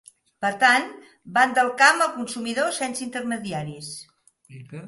Per tant, van del camp al consumidor sense intermediaris.